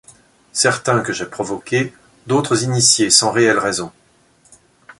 Certains que j'ai provoqués, d'autres initiés sans réelle raison.